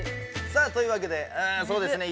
さあというわけでうんそうですね